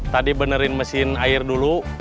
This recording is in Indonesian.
tadi benerin mesin air dulu